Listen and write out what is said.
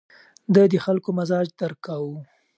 ده د خلکو مزاج درک کاوه.